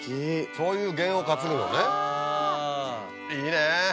そういう験を担ぐのねいいね！